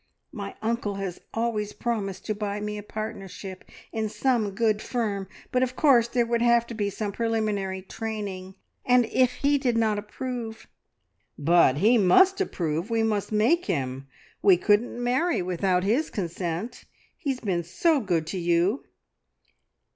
My uncle has always promised to buy me a partnership in some good firm, but of course there would have to be some preliminary training. And if he did not ... approve..." "But he must approve; we must make him. We couldn't marry without his consent. He's been so good to you!"